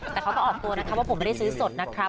แต่เขาก็ออกตัวนะคะว่าผมไม่ได้ซื้อสดนะครับ